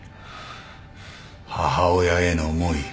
母親への思い。